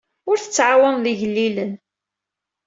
Ur tettɛawaneḍ igellilen.